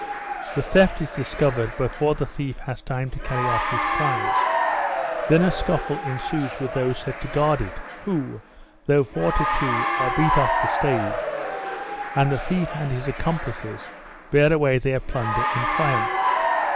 The theft is discovered before the thief has time to carry off his prize; then a scuffle ensues with those set to guard it, who, though four to two, are beat off the stage, and the thief and his accomplices bear away their plunder in triumph.